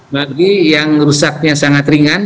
bagi yang rusaknya sangat ringan